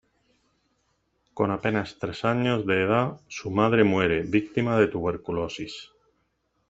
Con apenas tres años de edad, su madre muere, víctima de tuberculosis.